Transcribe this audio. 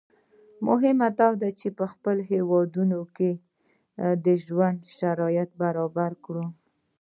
مهمه دا ده چې په خپلو هېوادونو کې د ژوند شرایط برابر کړو.